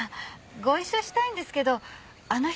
ご一緒したいんですけどあの人